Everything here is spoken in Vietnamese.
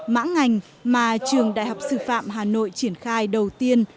mã ngành mà trường đại học sư phạm hà nội triển khai đầu tiên